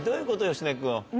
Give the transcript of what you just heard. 芳根君。